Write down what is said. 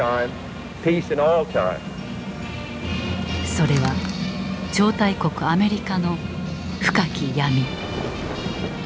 それは超大国アメリカの深き闇。